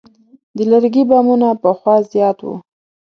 د لرګي بامونه پخوا زیات وو.